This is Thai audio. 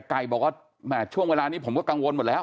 ไก่บอกว่าแหม่ช่วงเวลานี้ผมก็กังวลหมดแล้ว